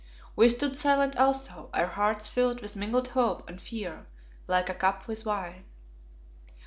We stood silent also, our hearts filled with mingled hope and fear like a cup with wine.